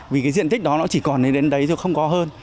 vì cái diện tích đó nó chỉ còn đến đấy thôi không có hơn